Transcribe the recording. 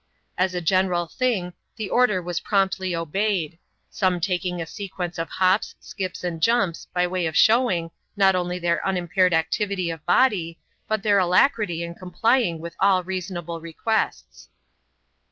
As a general thing, the order was promptly obeyed — some taking a sequence of hops, skips, and jumps, by way of showing, not only their unimpaired activity of body, but their alacrity in complying with all reasonable requests.